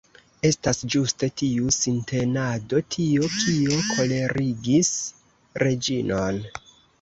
Estas ĝuste tiu sintenado tio, kio kolerigis Reĝinon.